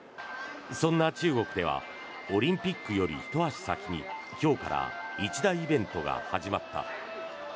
そんな中国ではオリンピックより、ひと足先に今日から一大イベントが始まった。